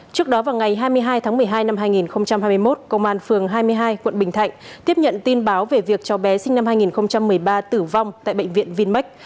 trước đó vào ngày hai mươi hai tháng một mươi hai năm hai nghìn hai mươi một công an phường hai mươi hai quận bình thạnh tiếp nhận tin báo về việc cháu bé sinh năm hai nghìn một mươi ba tử vong tại bệnh viện vinmec